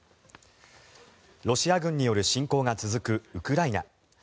ロシア軍による侵攻が続くウクライナ。